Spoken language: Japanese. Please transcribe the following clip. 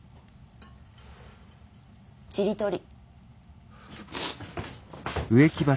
ちりとり。